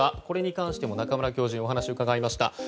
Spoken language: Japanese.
これに関しても中村教授にお話を伺いました。